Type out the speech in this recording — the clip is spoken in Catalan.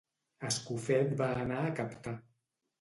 Escofet va anar a captar.